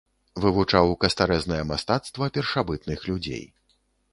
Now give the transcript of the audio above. Вывучаў кастарэзнае мастацтва першабытных людзей.